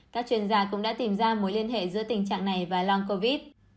các chuyên gia cũng đã tìm ra mối liên hệ giữa tình trạng này và lang covid